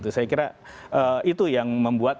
saya kira itu yang membuat